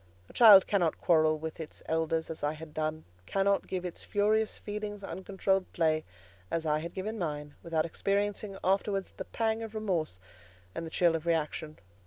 A child cannot quarrel with its elders, as I had done; cannot give its furious feelings uncontrolled play, as I had given mine, without experiencing afterwards the pang of remorse and the chill of reaction.